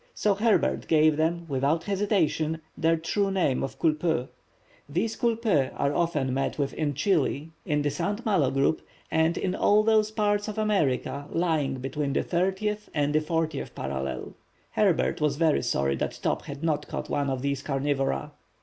So Herbert gave them without hesitation their true name of culpeux. These culpeux are often met with in Chili, in the Saint Malo group, and in all those parts of America lying between the 30th and 40th parallels. Herbert was very sorry that Top had not caught one of these carnivora.